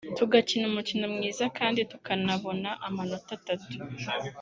tugakina umukino mwiza kandi tukanabona amanota atatu